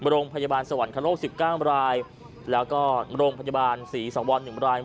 โรงพยาบาลสวรรคโลก๑๙รายแล้วก็โรงพยาบาลศรีสังวร๑ราย